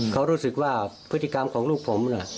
เขารู้สึกว่าพฤติกรรมของลูกผม